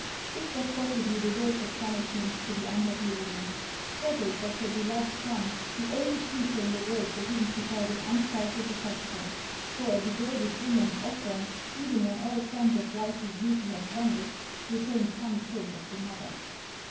This was possibly the worst of punishments to the unhappy woman. Frederic was her beloved son, the only creature in the world for whom she felt an unselfish affection ; for a degraded woman often, even when all sense of wifely duty has vanished, retains some trace of the mother.